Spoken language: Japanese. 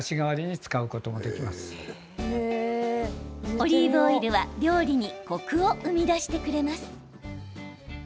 オリーブオイルは料理にコクを生み出してくれます。